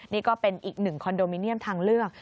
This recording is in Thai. นี่ก็เป็นอีกหนึ่งคอนโดมิเนียมทางเลือก